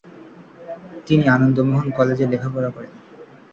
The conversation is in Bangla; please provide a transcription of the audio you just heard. তিনি আনন্দমোহন কলেজ এ লেখাপড়া করেন।